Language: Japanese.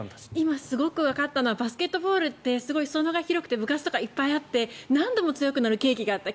今、すごくわかったのはバスケットボールってすごいすそ野が広くて部活とかいっぱいあって何度も強くなる景気があった。